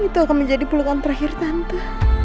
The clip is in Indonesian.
itu akan menjadi puluhan terakhir tante